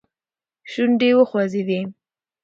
شونډې يې وخوځېدې.